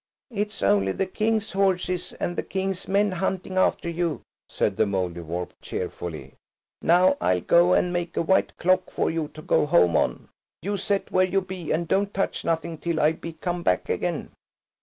"It's only the King's horses and the King's men hunting after you," said the Mouldiwarp cheerfully. "Now I'll go and make a white clock for you to go home on. You set where you be, and don't touch nothing till I be come back again."